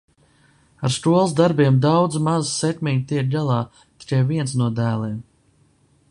Ar skolas darbiem daudz maz sekmīgi tiek galā tikai viens no dēliem.